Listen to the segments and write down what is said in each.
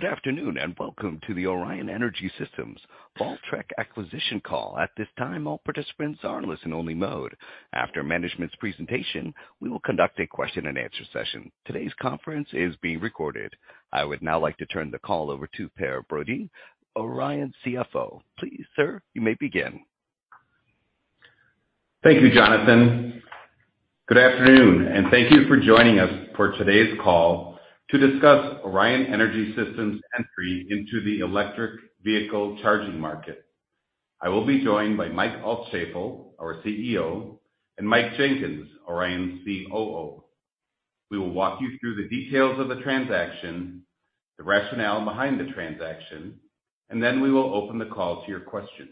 Good afternoon, and welcome to the Orion Energy Systems Voltrek acquisition call. At this time, all participants are in listen only mode. After management's presentation, we will conduct a question-and-answer session. Today's conference is being recorded. I would now like to turn the call over to Per Brodin, Orion's CFO. Please, sir, you may begin. Thank you, Jonathan. Good afternoon and thank you for joining us for today's call to discuss Orion Energy Systems entry into the electric vehicle charging market. I will be joined by Mike Altschaefl, our CEO, and Mike Jenkins, Orion's COO. We will walk you through the details of the transaction, the rationale behind the transaction, and then we will open the call to your questions.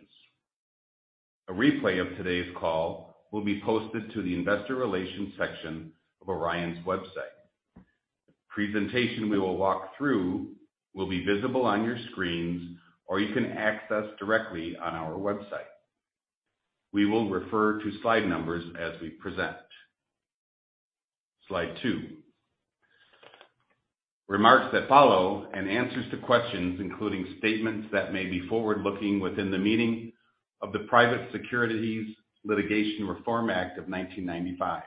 A replay of today's call will be posted to the investor relations section of Orion's website. The presentation we will walk through will be visible on your screens, or you can access directly on our website. We will refer to slide numbers as we present. Slide two. Remarks that follow and answers to questions, including statements that may be forward-looking within the meaning of the Private Securities Litigation Reform Act of 1995.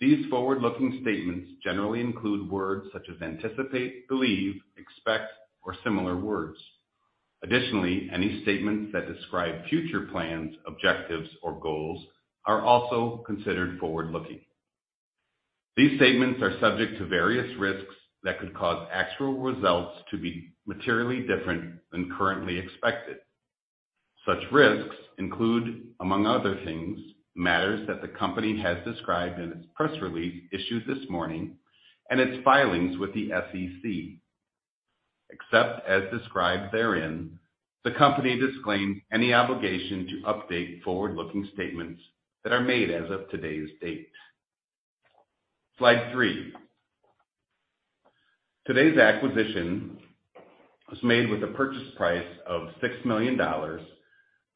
These forward-looking statements generally include words such as anticipate, believe, expect or similar words. Additionally, any statements that describe future plans, objectives, or goals are also considered forward-looking. These statements are subject to various risks that could cause actual results to be materially different than currently expected. Such risks include, among other things, matters that the company has described in its press release issued this morning and its filings with the SEC. Except as described therein, the company disclaims any obligation to update forward-looking statements that are made as of today's date. Slide three. Today's acquisition was made with a purchase price of $6 million,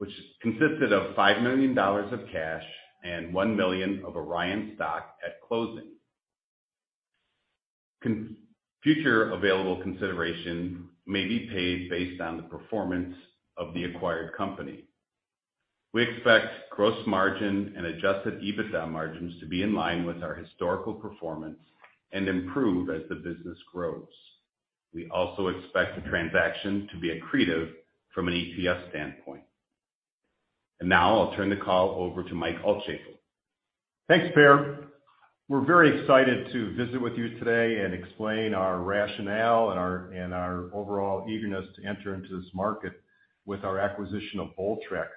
which consisted of $5 million of cash and $1 million of Orion stock at closing. Future available consideration may be paid based on the performance of the acquired company. We expect gross margin and adjusted EBITDA margins to be in line with our historical performance and improve as the business grows. We also expect the transaction to be accretive from an EPS standpoint. Now I'll turn the call over to Mike Altschaefl. Thanks, Per. We're very excited to visit with you today and explain our rationale and our overall eagerness to enter into this market with our acquisition of Voltrek.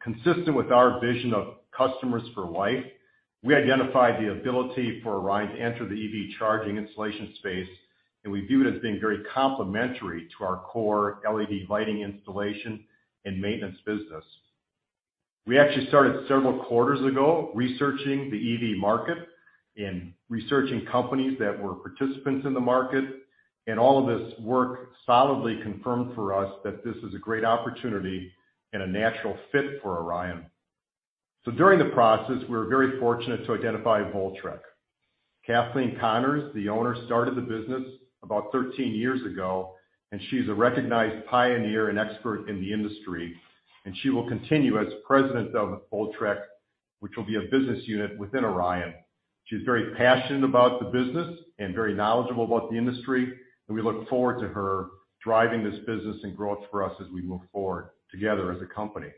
Consistent with our vision of customers for life, we identified the ability for Orion to enter the EV charging installation space, and we view it as being very complementary to our core LED lighting installation and maintenance business. We actually started several quarters ago researching the EV market and researching companies that were participants in the market, and all of this work solidly confirmed for us that this is a great opportunity and a natural fit for Orion. During the process, we were very fortunate to identify Voltrek. Kathleen Connors, the owner, started the business about 13 years ago, and she's a recognized pioneer and expert in the industry, and she will continue as president of Voltrek, which will be a business unit within Orion. She's very passionate about the business and very knowledgeable about the industry, and we look forward to her driving this business and growth for us as we move forward together as a company.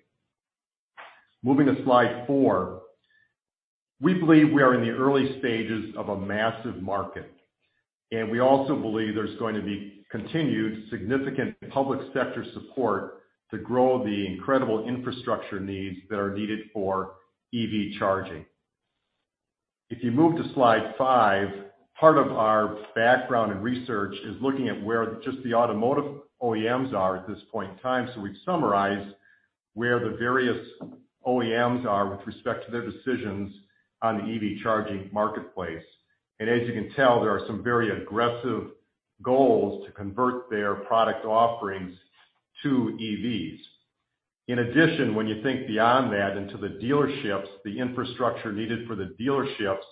Moving to slide four. We believe we are in the early stages of a massive market, and we also believe there's going to be continued significant public sector support to grow the incredible infrastructure needs that are needed for EV charging. If you move to slide five, part of our background and research is looking at where just the automotive OEMs are at this point in time. We've summarized where the various OEMs are with respect to their decisions on the EV charging marketplace. As you can tell, there are some very aggressive goals to convert their product offerings to EVs. In addition, when you think beyond that into the dealerships, the infrastructure needed for the dealerships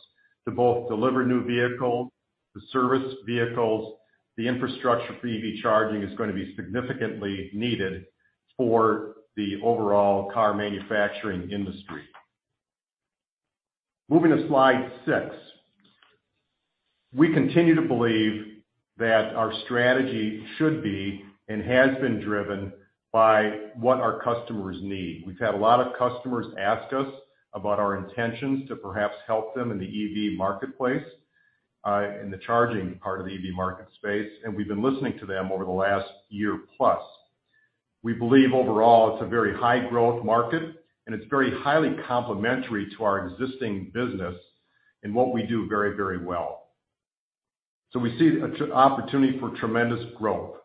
to both deliver new vehicles, to service vehicles, the infrastructure for EV charging is going to be significantly needed for the overall car manufacturing industry. Moving to slide six. We continue to believe that our strategy should be and has been driven by what our customers need. We've had a lot of customers ask us about our intentions to perhaps help them in the EV marketplace, in the charging part of the EV market space, and we've been listening to them over the last year plus. We believe overall it's a very high growth market and it's very highly complementary to our existing business and what we do very, very well. We see an opportunity for tremendous growth.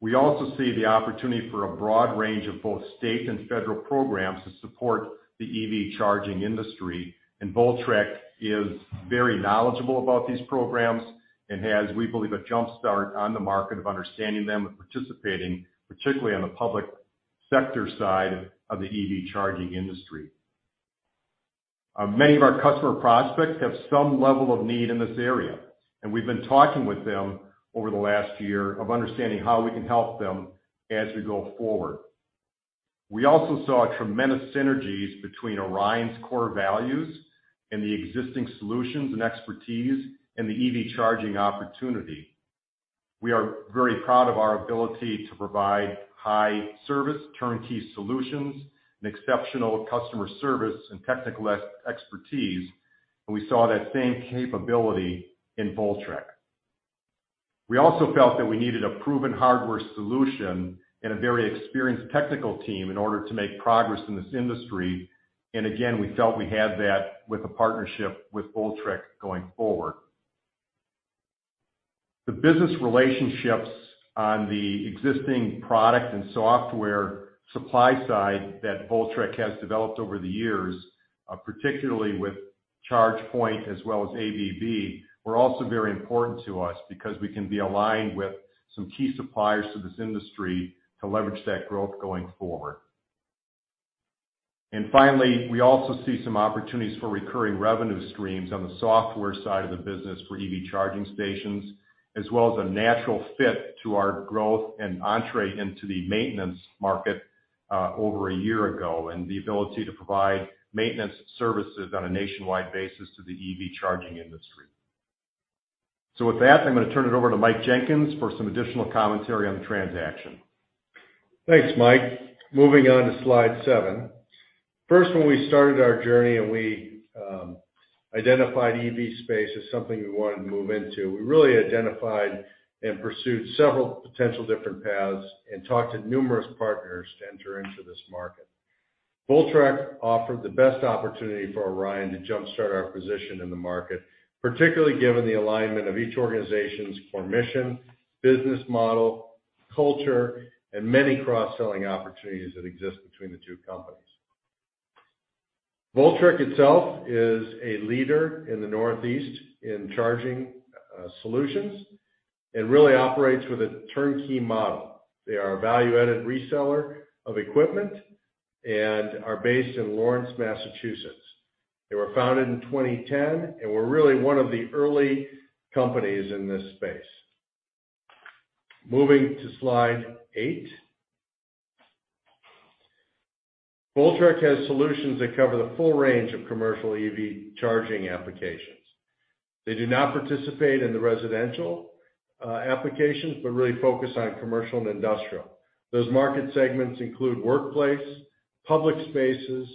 We also see the opportunity for a broad range of both state and federal programs to support the EV charging industry and Voltrek is very knowledgeable about these programs and has, we believe, a jump start on the market of understanding them and participating, particularly on the public sector side of the EV charging industry. Many of our customer prospects have some level of need in this area, and we've been talking with them over the last year of understanding how we can help them as we go forward. We also saw tremendous synergies between Orion's core values and the existing solutions and expertise in the EV charging opportunity. We are very proud of our ability to provide high service, turnkey solutions, and exceptional customer service and technical expertise, and we saw that same capability in Voltrek. We also felt that we needed a proven hardware solution and a very experienced technical team in order to make progress in this industry. Again, we felt we had that with a partnership with Voltrek going forward. The business relationships on the existing product and software supply side that Voltrek has developed over the years, particularly with ChargePoint as well as ABB, were also very important to us because we can be aligned with some key suppliers to this industry to leverage that growth going forward. Finally, we also see some opportunities for recurring revenue streams on the software side of the business for EV charging stations, as well as a natural fit to our growth and entry into the maintenance market, over a year ago, and the ability to provide maintenance services on a nationwide basis to the EV charging industry. With that, I'm gonna turn it over to Mike Jenkins for some additional commentary on the transaction. Thanks, Mike. Moving on to slide seven. First, when we started our journey and we identified EV space as something we wanted to move into, we really identified and pursued several potential different paths and talked to numerous partners to enter into this market. Voltrek offered the best opportunity for Orion to jumpstart our position in the market, particularly given the alignment of each organization's core mission, business model, culture, and many cross-selling opportunities that exist between the two companies. Voltrek itself is a leader in the Northeast in charging solutions and really operates with a turnkey model. They are a value-added reseller of equipment and are based in Lawrence, Massachusetts. They were founded in 2010 and were really one of the early companies in this space. Moving to slide eight. Voltrek has solutions that cover the full range of commercial EV charging applications. They do not participate in the residential applications, but really focus on commercial and industrial. Those market segments include workplace, public spaces,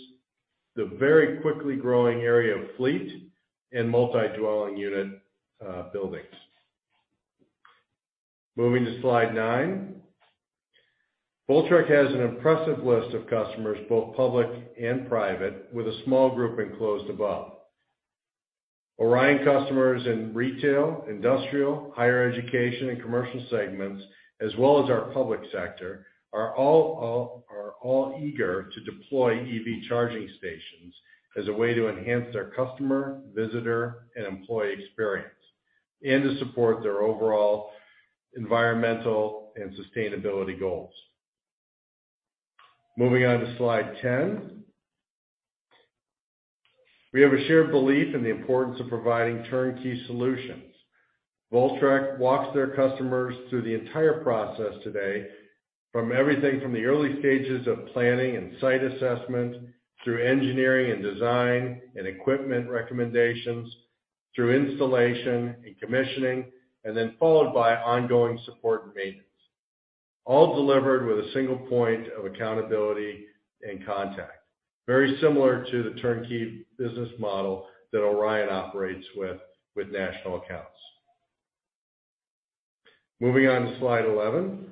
the very quickly growing area of fleet, and multi-dwelling unit buildings. Moving to slide nine. Voltrek has an impressive list of customers, both public and private, with a small group enclosed above. Orion customers in retail, industrial, higher education, and commercial segments, as well as our public sector, are all eager to deploy EV charging stations as a way to enhance their customer, visitor, and employee experience, and to support their overall environmental and sustainability goals. Moving on to slide 10. We have a shared belief in the importance of providing turnkey solutions. Voltrek walks their customers through the entire process today, from everything from the early stages of planning and site assessment through engineering and design and equipment recommendations, through installation and commissioning, and then followed by ongoing support and maintenance, all delivered with a single point of accountability and contact. Very similar to the turnkey business model that Orion operates with national accounts. Moving on to slide 11.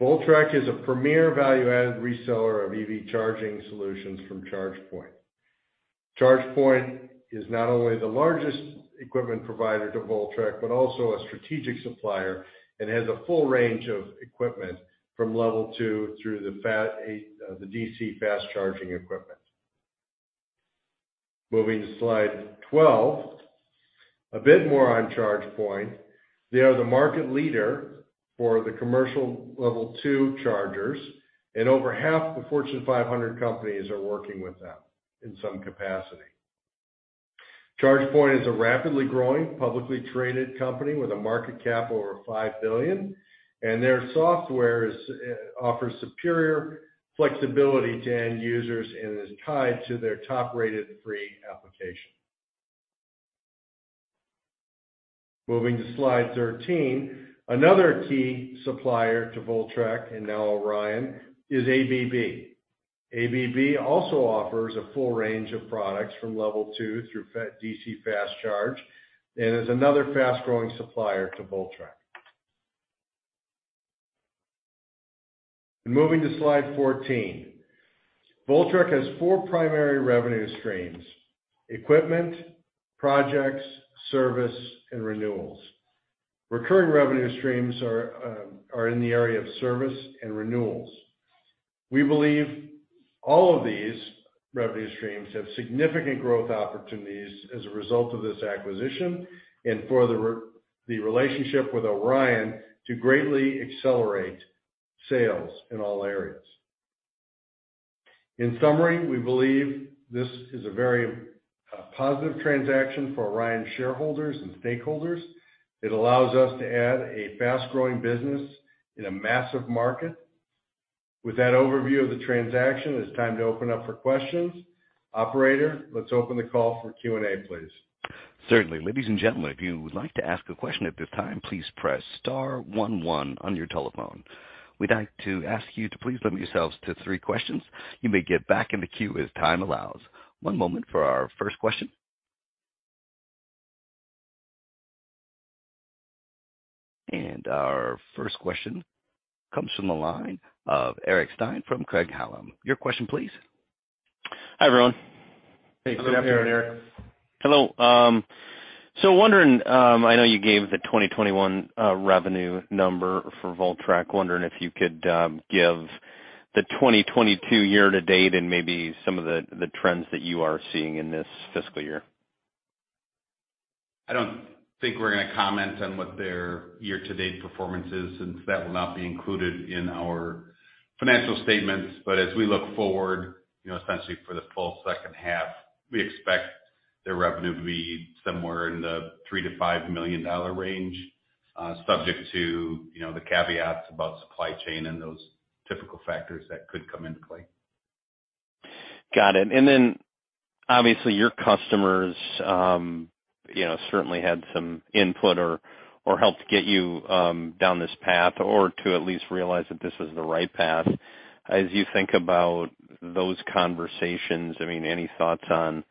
Voltrek is a premier value-added reseller of EV charging solutions from ChargePoint. ChargePoint is not only the largest equipment provider to Voltrek, but also a strategic supplier and has a full range of equipment from Level two through the DC fast charging equipment. Moving to slide 12. A bit more on ChargePoint. They are the market leader for the commercial Level two chargers, and over half the Fortune 500 companies are working with them in some capacity. ChargePoint is a rapidly growing, publicly traded company with a market cap over $5 billion, and their software offers superior flexibility to end users and is tied to their top-rated free application. Moving to slide 13. Another key supplier to Voltrek, and now Orion, is ABB. ABB also offers a full range of products from level two through DC fast charge and is another fast-growing supplier to Voltrek. Moving to slide 14. Voltrek has four primary revenue streams, equipment, projects, service, and renewals. Recurring revenue streams are in the area of service and renewals. We believe all of these revenue streams have significant growth opportunities as a result of this acquisition and for the relationship with Orion to greatly accelerate. Sales in all areas. In summary, we believe this is a very positive transaction for Orion shareholders and stakeholders. It allows us to add a fast-growing business in a massive market. With that overview of the transaction, it's time to open up for questions. Operator, let's open the call for Q&A, please. Certainly. Ladies and gentlemen, if you would like to ask a question at this time, please press star one one on your telephone. We'd like to ask you to please limit yourselves to three questions. You may get back in the queue as time allows. One moment for our first question. Our first question comes from the line of Eric Stine from Craig-Hallum. Your question, please. Hi, everyone. Hey, good afternoon, Eric. Hello. Wondering, I know you gave the 2021 revenue number for Voltrek. Wondering if you could give the 2022 year-to-date and maybe some of the trends that you are seeing in this fiscal year. I don't think we're gonna comment on what their year-to-date performance is since that will not be included in our financial statements. As we look forward, you know, essentially for the full second half, we expect their revenue to be somewhere in the $3-$5 million range, subject to, you know, the caveats about supply chain and those typical factors that could come into play. Got it. Then, obviously, your customers, you know, certainly had some input or helped get you down this path or to at least realize that this is the right path. As you think about those conversations, I mean, any thoughts on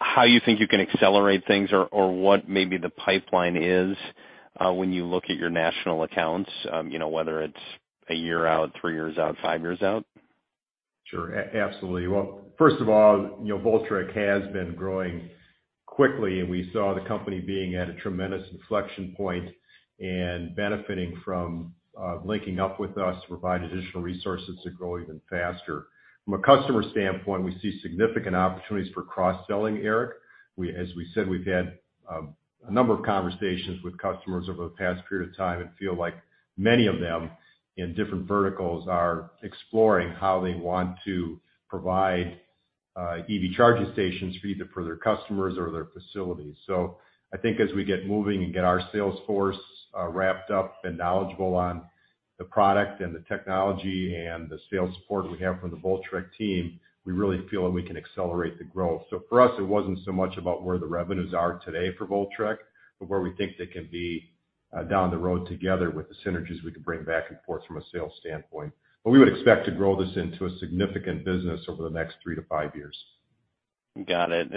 how you think you can accelerate things or what maybe the pipeline is, when you look at your national accounts, you know, whether it's a year out, three years out, five years out? Sure. Absolutely. Well, first of all, you know, Voltrek has been growing quickly, and we saw the company being at a tremendous inflection point and benefiting from linking up with us to provide additional resources to grow even faster. From a customer standpoint, we see significant opportunities for cross-selling, Eric. As we said, we've had a number of conversations with customers over the past period of time and feel like many of them in different verticals are exploring how they want to provide EV charging stations for either their customers or their facilities. I think as we get moving and get our sales force wrapped up and knowledgeable on the product and the technology and the sales support we have from the Voltrek team, we really feel that we can accelerate the growth. For us, it wasn't so much about where the revenues are today for Voltrek, but where we think they can be, down the road together with the synergies we could bring back and forth from a sales standpoint. We would expect to grow this into a significant business over the next three to five years. Got it.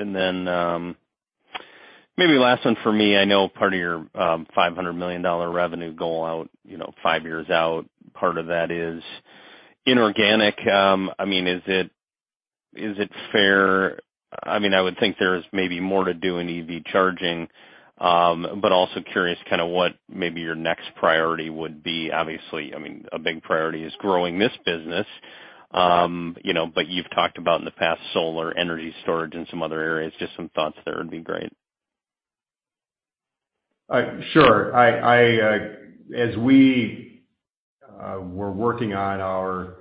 Maybe last one for me. I know part of your $500 million revenue goal, you know, 5 years out, part of that is inorganic. I mean, is it fair? I mean, I would think there's maybe more to do in EV charging, but also curious kinda what maybe your next priority would be. Obviously, I mean, a big priority is growing this business, you know, but you've talked about in the past solar, energy storage and some other areas. Just some thoughts there would be great. Sure. As we were working on our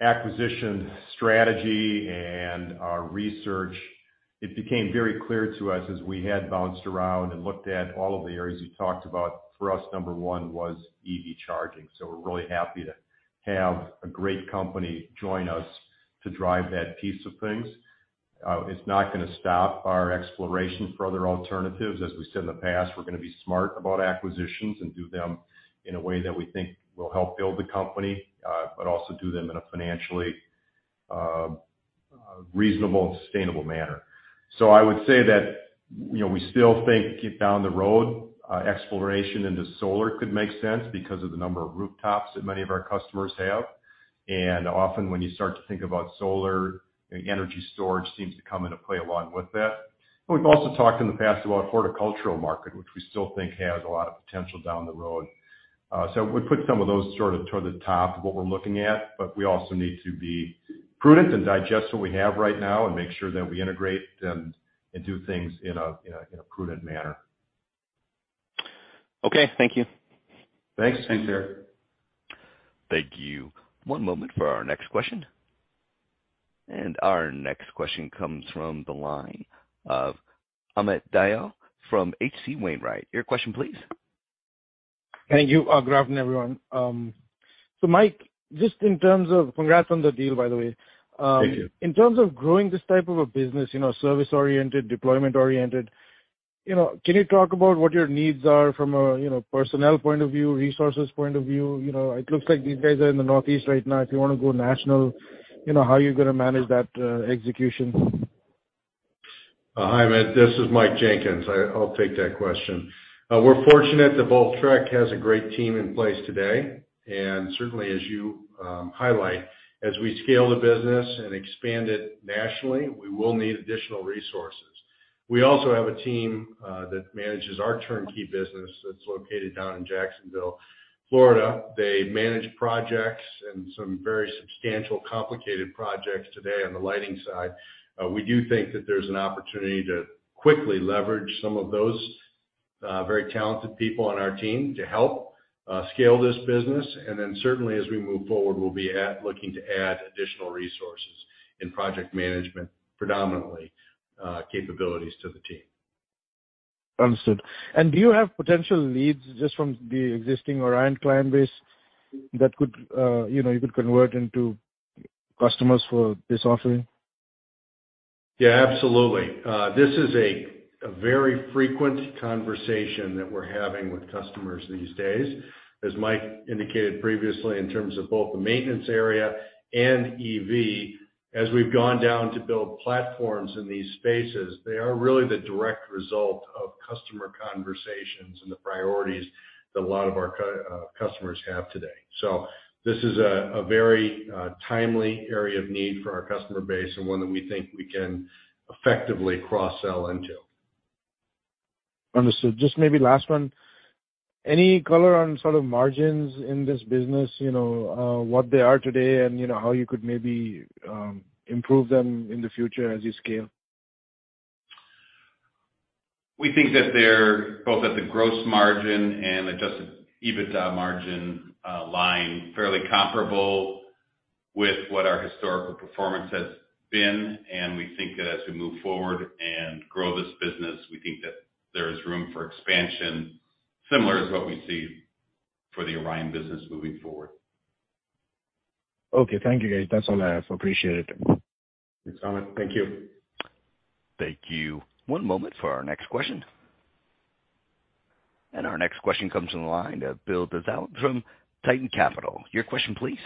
acquisition strategy and our research, it became very clear to us as we had bounced around and looked at all of the areas you talked about, for us, number one was EV charging. We're really happy to have a great company join us to drive that piece of things. It's not gonna stop our exploration for other alternatives. As we said in the past, we're gonna be smart about acquisitions and do them in a way that we think will help build the company, but also do them in a financially reasonable and sustainable manner. I would say that, you know, we still think down the road, exploration into solar could make sense because of the number of rooftops that many of our customers have. Often, when you start to think about solar, energy storage seems to come into play along with that. We've also talked in the past about horticultural market, which we still think has a lot of potential down the road. We put some of those sort of toward the top of what we're looking at, but we also need to be prudent and digest what we have right now and make sure that we integrate them and do things in a prudent manner. Okay. Thank you. Thanks. Thanks, Eric. Thank you. One moment for our next question. Our next question comes from the line of Amit Dayal from H.C. Wainwright. Your question, please. Thank you. Good afternoon, everyone. Mike, just in terms of, congrats on the deal, by the way. Thank you. In terms of growing this type of a business, you know, service-oriented, deployment-oriented, you know, can you talk about what your needs are from a, you know, personnel point of view, resources point of view? You know, it looks like these guys are in the Northeast right now. If you wanna go national, you know, how are you gonna manage that, execution? Hi, Amit. This is Mike Jenkins. I'll take that question. We're fortunate that Voltrek has a great team in place today. Certainly, as you highlight, as we scale the business and expand it nationally, we will need additional resources. We also have a team that manages our turnkey business that's located down in Jacksonville, Florida. They manage projects and some very substantial complicated projects today on the lighting side. We do think that there's an opportunity to quickly leverage some of those. Very talented people on our team to help scale this business. Certainly as we move forward, we'll be looking to add additional resources in project management, predominantly, capabilities to the team. Understood. Do you have potential leads just from the existing Orion client base that could, you know, you could convert into customers for this offering? Yeah, absolutely. This is a very frequent conversation that we're having with customers these days. As Mike indicated previously, in terms of both the maintenance area and EV, as we've gone down to build platforms in these spaces, they are really the direct result of customer conversations and the priorities that a lot of our customers have today. This is a very timely area of need for our customer base and one that we think we can effectively cross-sell into. Understood. Just maybe last one. Any color on sort of margins in this business, you know, what they are today, and, you know, how you could maybe, improve them in the future as you scale? We think that they're both at the gross margin and adjusted EBITDA margin line, fairly comparable with what our historical performance has been. We think that as we move forward and grow this business, we think that there is room for expansion, similar to what we see for the Orion business moving forward. Okay. Thank you, guys. That's all I have. Appreciate it. Thanks, Amit. Thank you. Thank you. One moment for our next question. Our next question comes on the line. Bill Dezellem from Tieton Capital Management. Your question, please.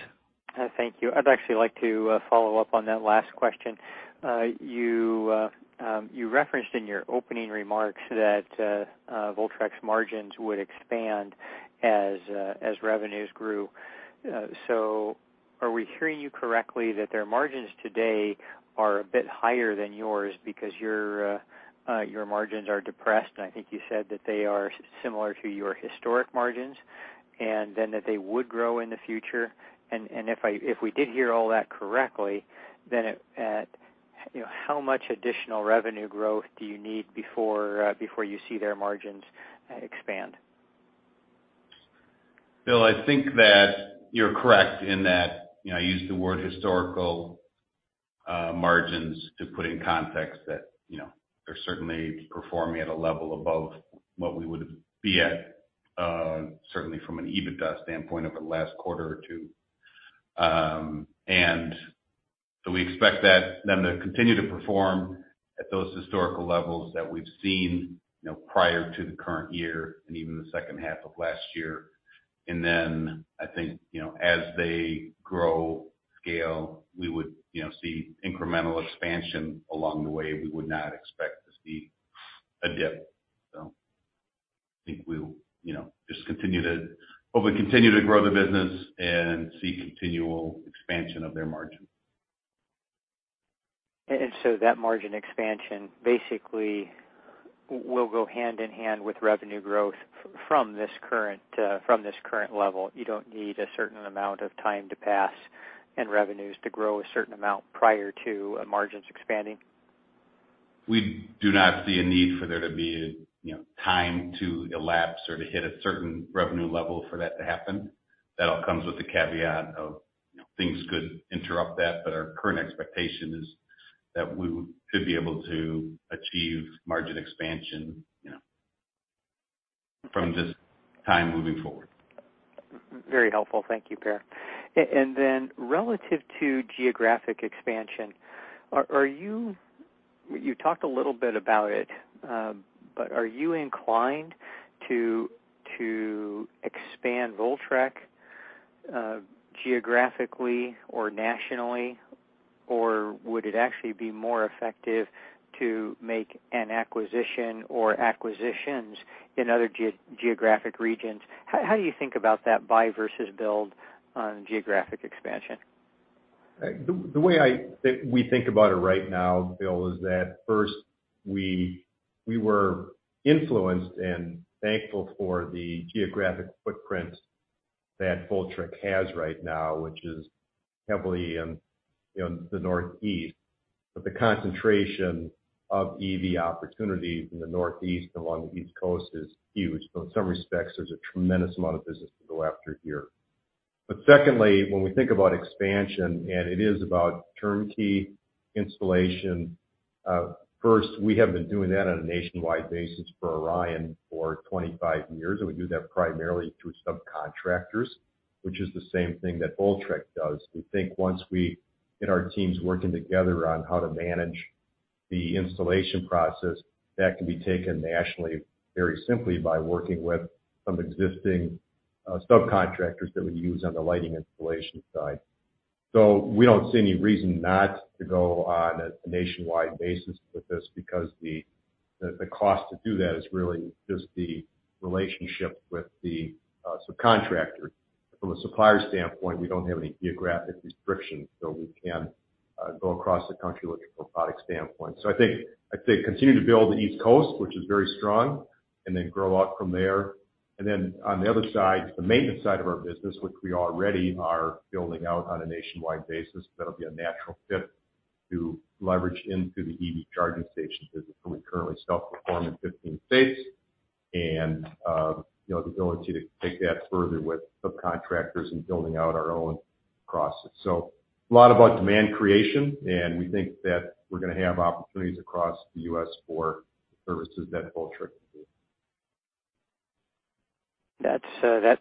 Thank you. I'd actually like to follow up on that last question. You referenced in your opening remarks that Voltrek's margins would expand as revenues grew. So are we hearing you correctly, that their margins today are a bit higher than yours because your margins are depressed, and I think you said that they are similar to your historic margins, and then that they would grow in the future? If we did hear all that correctly, then you know, how much additional revenue growth do you need before you see their margins expand? Bill, I think that you're correct in that, you know, I used the word historical margins to put in context that, you know, they're certainly performing at a level above what we would be at, certainly from an EBITDA standpoint over the last quarter or two. We expect them to continue to perform at those historical levels that we've seen, you know, prior to the current year and even the second half of last year. I think, you know, as they grow, scale, we would, you know, see incremental expansion along the way. We would not expect to see a dip. I think we'll, you know, just continue to hopefully continue to grow the business and see continual expansion of their margin. That margin expansion basically will go hand in hand with revenue growth from this current level. You don't need a certain amount of time to pass and revenues to grow a certain amount prior to margins expanding? We do not see a need for there to be, you know, time to elapse or to hit a certain revenue level for that to happen. That all comes with the caveat of, you know, things could interrupt that, but our current expectation is that we should be able to achieve margin expansion, you know, from this time moving forward. Very helpful. Thank you, Per. Relative to geographic expansion, you talked a little bit about it, but are you inclined to expand Voltrek geographically or nationally, or would it actually be more effective to make an acquisition or acquisitions in other geographic regions? How do you think about that buy versus build on geographic expansion? The way I think we think about it right now, Bill, is that first, we were influenced and thankful for the geographic footprint that Voltrek has right now, which is heavily in, you know, the Northeast. But the concentration of EV opportunities in the Northeast along the East Coast is huge. So in some respects, there's a tremendous amount of business to go after here. But secondly, when we think about expansion, and it is about turnkey installation, first, we have been doing that on a nationwide basis for Orion for 25 years, and we do that primarily through subcontractors, which is the same thing that Voltrek does. We think once we get our teams working together on how to manage the installation process, that can be taken nationally very simply by working with some existing subcontractors that we use on the lighting installation side. We don't see any reason not to go on a nationwide basis with this because the cost to do that is really just the relationship with the subcontractor. From a supplier standpoint, we don't have any geographic restrictions, so we can go across the country looking from a product standpoint. I think continue to build the East Coast, which is very strong, and then grow out from there. Then on the other side, the maintenance side of our business, which we already are building out on a nationwide basis, that'll be a natural fit. To leverage into the EV charging stations is we currently self-perform in 15 states, and, you know, the ability to take that further with subcontractors and building out our own process. A lot about demand creation, and we think that we're gonna have opportunities across the U.S. for services that Voltrek can do.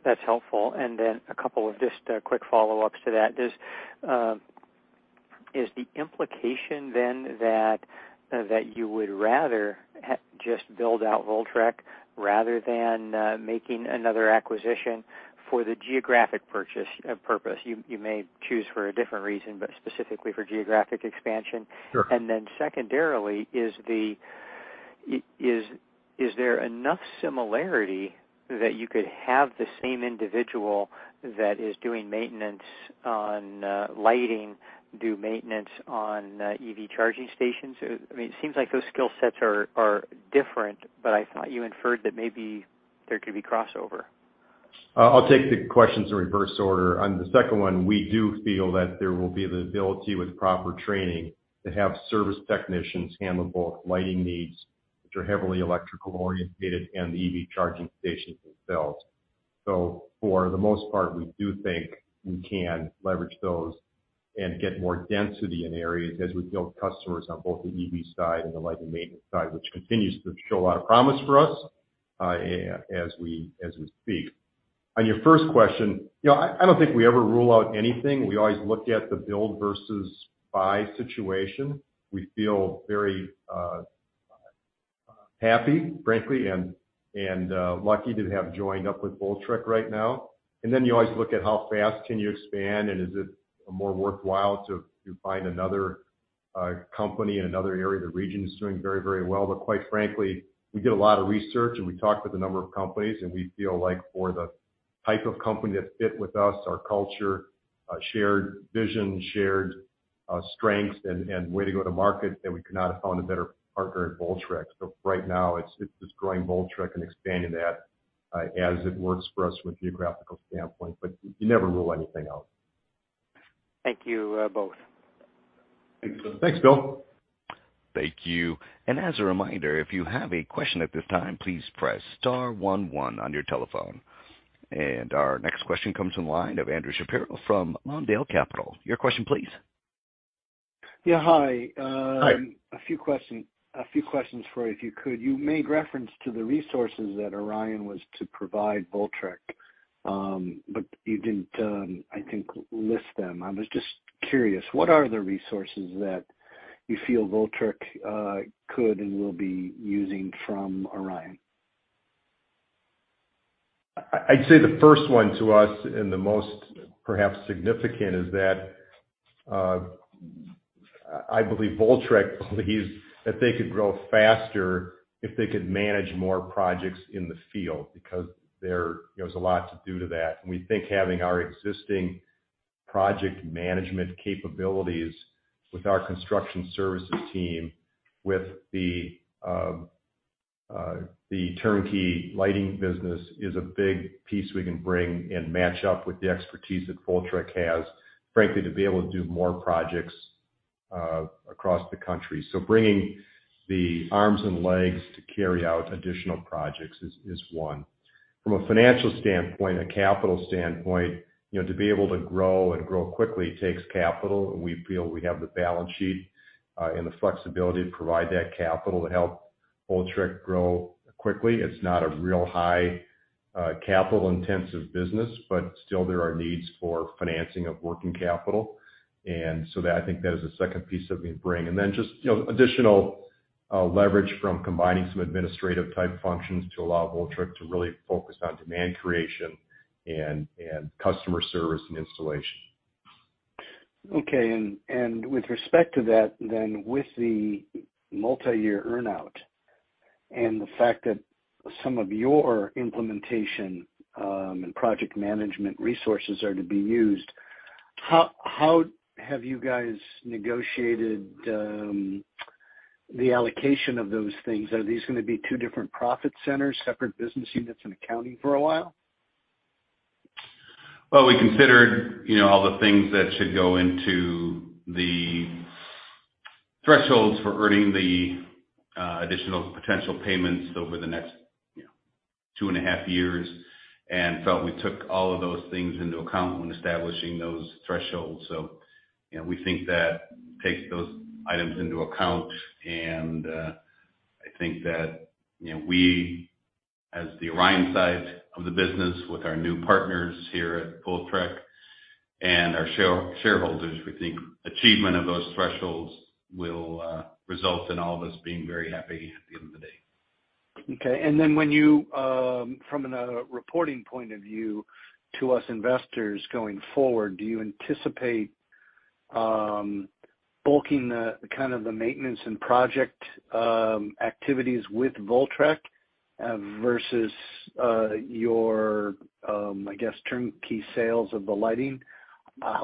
That's helpful. A couple of just quick follow-ups to that. Is the implication then that you would rather just build out Voltrek rather than making another acquisition for geographic purposes? You may choose for a different reason, but specifically for geographic expansion. Sure. Secondarily, is there enough similarity that you could have the same individual that is doing maintenance on lighting do maintenance on EV charging stations? I mean, it seems like those skill sets are different, but I thought you inferred that maybe there could be crossover. I'll take the questions in reverse order. On the second one, we do feel that there will be the ability with proper training to have service technicians handle both lighting needs, which are heavily electrically oriented, and the EV charging stations themselves. For the most part, we do think we can leverage those and get more density in areas as we build customers on both the EV side and the lighting maintenance side, which continues to show a lot of promise for us, as we speak. On your first question, you know, I don't think we ever rule out anything. We always look at the build versus buy situation. We feel very happy, frankly, and lucky to have joined up with Voltrek right now. Then you always look at how fast can you expand, and is it more worthwhile to find another company in another area the region is doing very, very well. Quite frankly, we did a lot of research, and we talked with a number of companies, and we feel like for the type of company that fit with us, our culture, shared vision, shared strengths and way to go to market, that we could not have found a better partner in Voltrek. Right now it's just growing Voltrek and expanding that as it works for us from a geographical standpoint. You never rule anything out. Thank you, both. Thanks, Bill. Thank you. As a reminder, if you have a question at this time, please press star one one on your telephone. Our next question comes from the line of Andrew Shapiro from Lawndale Capital Management. Your question please. Yeah. Hi. Hi. A few questions for you, if you could. You made reference to the resources that Orion was to provide Voltrek, but you didn't, I think, list them. I was just curious, what are the resources that you feel Voltrek could and will be using from Orion? I'd say the first one to us, and the most perhaps significant is that I believe Voltrek believes that they could grow faster if they could manage more projects in the field because there you know is a lot to do with that. We think having our existing project management capabilities with our construction services team, with the turnkey lighting business is a big piece we can bring and match up with the expertise that Voltrek has, frankly, to be able to do more projects across the country. Bringing the arms and legs to carry out additional projects is one. From a financial standpoint, a capital standpoint, you know, to be able to grow and grow quickly takes capital. We feel we have the balance sheet and the flexibility to provide that capital to help Voltrek grow quickly. It's not a real high capital-intensive business, but still there are needs for financing of working capital. That, I think, is the second piece that we bring. Just, you know, additional leverage from combining some administrative type functions to allow Voltrek to really focus on demand creation and customer service and installation. Okay. With respect to that then with the multiyear earn-out and the fact that some of your implementation and project management resources are to be used, how have you guys negotiated the allocation of those things? Are these gonna be two different profit centers, separate business units in accounting for a while? Well, we considered, you know, all the things that should go into the thresholds for earning the additional potential payments over the next two and a half years, and felt we took all of those things into account when establishing those thresholds. You know, we think that takes those items into account. I think that, you know, we, as the Orion side of the business with our new partners here at Voltrek and our shareholders, we think achievement of those thresholds will result in all of us being very happy at the end of the day. Okay. When you, from a reporting point of view to us investors going forward, do you anticipate, bucketing the kind of the maintenance and project activities with Voltrek, versus, your, I guess, turnkey sales of the lighting?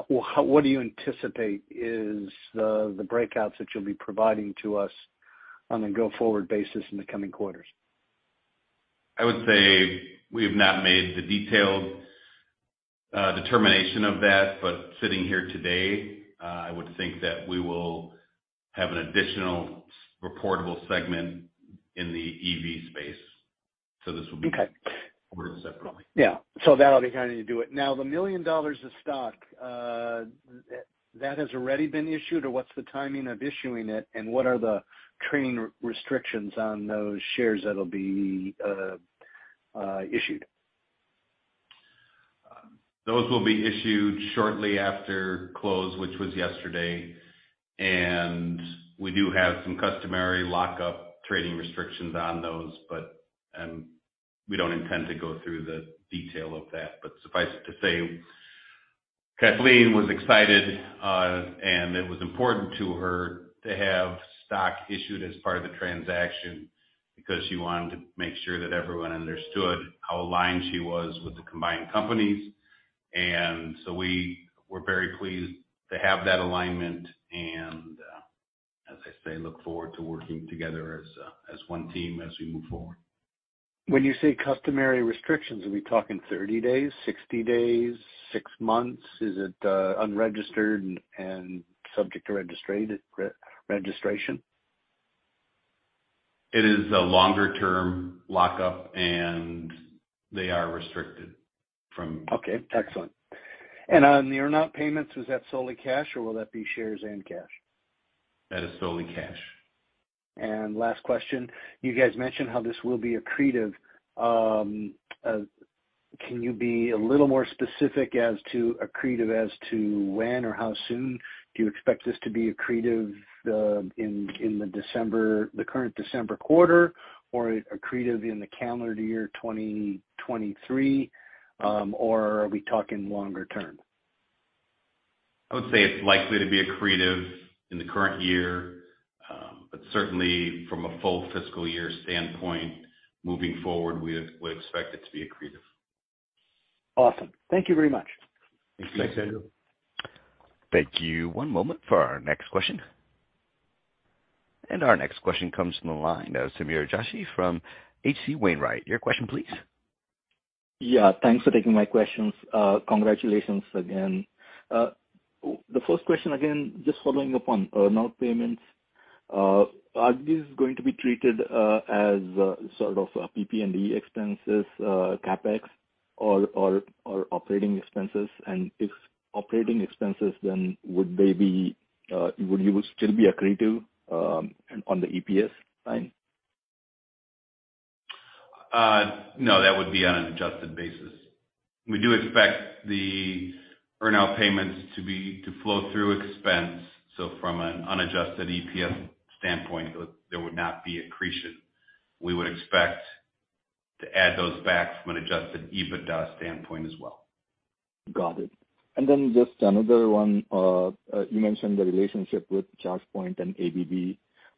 What do you anticipate is the breakouts that you'll be providing to us on a go-forward basis in the coming quarters? I would say we have not made the detailed determination of that. Sitting here today, I would think that we will have an additional reportable segment in the EV space. This will be. Okay. Reported separately. Yeah. That'll be kind of do it. Now, the $1 million of stock that has already been issued, or what's the timing of issuing it, and what are the trading restrictions on those shares that'll be issued? Those will be issued shortly after close, which was yesterday. We do have some customary lockup trading restrictions on those. We don't intend to go through the detail of that. Suffice it to say, Kathleen was excited, and it was important to her to have stock issued as part of the transaction, because she wanted to make sure that everyone understood how aligned she was with the combined companies. We were very pleased to have that alignment and, as I say, look forward to working together as one team as we move forward. When you say customary restrictions, are we talking 30 days, 60 days, six months? Is it unregistered and subject to registration, re-registration? It is a longer-term lockup, and they are restricted from. Okay, excellent. On the earn-out payments, is that solely cash or will that be shares and cash? That is solely cash. Last question. You guys mentioned how this will be accretive. Can you be a little more specific as to accretive, when or how soon do you expect this to be accretive, in the current December quarter or accretive in the calendar year 2023? Or are we talking longer term? I would say it's likely to be accretive in the current year, but certainly from a full fiscal year standpoint moving forward, we would expect it to be accretive. Awesome. Thank you very much. Thank you. Thanks, Andrew. Thank you. One moment for our next question. Our next question comes from the line of Sameer Joshi from H.C. Wainwright. Your question please. Yeah, thanks for taking my questions. Congratulations again. The first question, again, just following up on earn-out payments, are these going to be treated as sort of PP&E expenses, CapEx or operating expenses? If operating expenses, then would you still be accretive on the EPS line? No, that would be on an adjusted basis. We do expect the earn-out payments to be, to flow through expense. From an unadjusted EPS standpoint, there would not be accretion. We would expect to add those back from an adjusted EBITDA standpoint as well. Got it. Just another one. You mentioned the relationship with ChargePoint and ABB.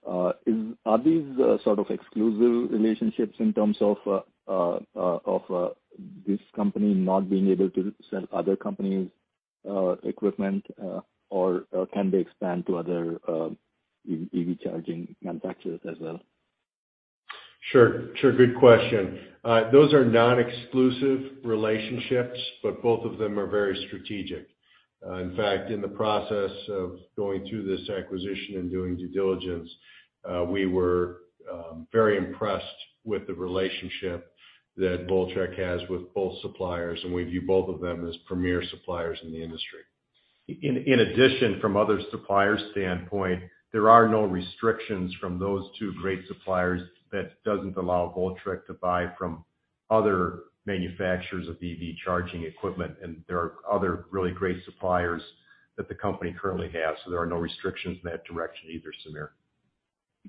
Are these sort of exclusive relationships in terms of this company not being able to sell other companies' equipment? Or can they expand to other EV charging manufacturers as well? Sure. Good question. Those are non-exclusive relationships, but both of them are very strategic. In fact, in the process of going through this acquisition and doing due diligence, we were very impressed with the relationship that Voltrek has with both suppliers, and we view both of them as premier suppliers in the industry. In addition, from other suppliers' standpoint, there are no restrictions from those two great suppliers that doesn't allow Voltrek to buy from other manufacturers of EV charging equipment. There are other really great suppliers that the company currently has. There are no restrictions in that direction either, Sameer.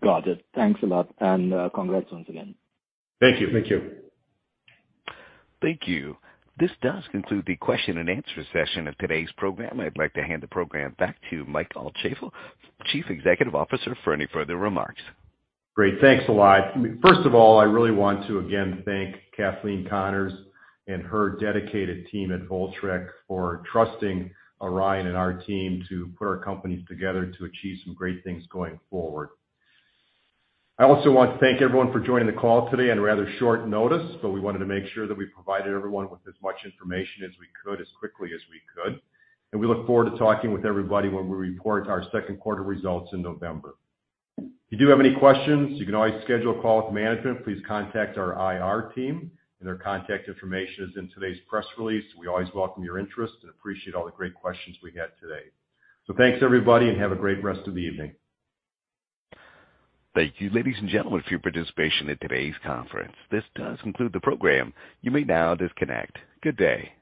Got it. Thanks a lot, and, congrats once again. Thank you. Thank you. Thank you. This does conclude the question-and-answer session of today's program. I'd like to hand the program back to Mike Altschaefl, Chief Executive Officer, for any further remarks. Great. Thanks a lot. First of all, I really want to again thank Kathleen Connors and her dedicated team at Voltrek for trusting Orion and our team to put our companies together to achieve some great things going forward. I also want to thank everyone for joining the call today on a rather short notice, but we wanted to make sure that we provided everyone with as much information as we could as quickly as we could. We look forward to talking with everybody when we report our Q2 results in November. If you do have any questions, you can always schedule a call with management. Please contact our IR team, and their contact information is in today's press release. We always welcome your interest and appreciate all the great questions we had today. Thanks everybody and have a great rest of the evening. Thank you, ladies and gentlemen, for your participation in today's conference. This does conclude the program. You may now disconnect. Good day.